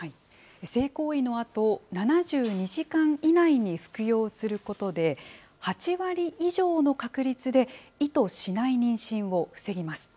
性行為のあと、７２時間以内に服用することで、８割以上の確率で意図しない妊娠を防ぎます。